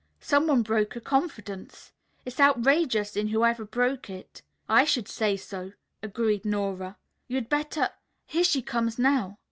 Some one broke a confidence. It's outrageous in who ever broke it." "I should say so," agreed Nora. "You'd better Here she comes now."